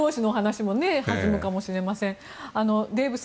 参加者同士の話も弾むかもしれません。